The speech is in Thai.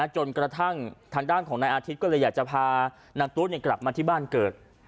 จนกระทั่งทางด้านของนายอาทิตย์ก็เลยอยากจะพานางตู้กลับมาที่บ้านเกิด